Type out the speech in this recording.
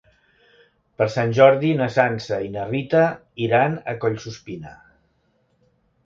Per Sant Jordi na Sança i na Rita iran a Collsuspina.